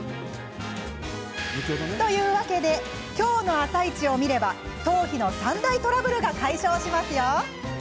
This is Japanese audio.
というわけで今日の「あさイチ」を見れば頭皮の三大トラブルが解消しますよ。